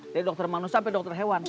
dari dokter manusia sampai dokter hewan